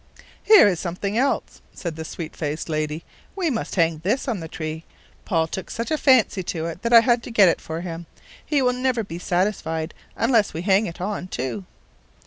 "Here is something else," said the sweet faced lady. "We must hang this on the tree. Paul took such a fancy to it that I had to get it for him. He will never be satisfied unless we hang it on too."